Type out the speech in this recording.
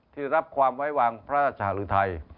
ที่รับความไว้วางพระราชหรือไทย